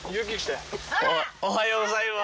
おはようございます。